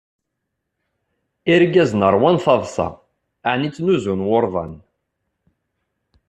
Irgazen ṛwan taḍsa. ɛni ttnuzun wurḍan?